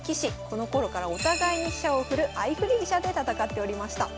このころからお互いに飛車を振る相振り飛車で戦っておりました。